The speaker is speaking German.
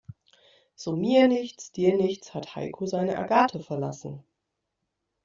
So mir nichts, dir nichts hat Heiko seine Agathe verlassen.